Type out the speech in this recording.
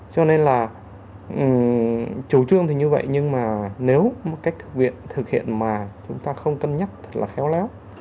cho nên là chủ trương thì như vậy nhưng mà nếu một cách thực hiện mà chúng ta không cân nhắc thật là khéo léo